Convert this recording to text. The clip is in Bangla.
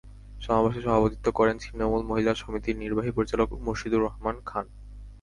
সমাবেশে সভাপতিত্ব করেন ছিন্নমূল মহিলা সমিতির নির্বাহী পরিচালক মুর্শীদুর রহমান খান।